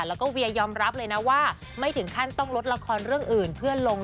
แล้วก็เวียยอมรับเลยนะว่าไม่ถึงขั้นต้องลดละครเรื่องอื่นเพื่อลง